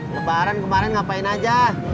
kebaran kebaran ngapain aja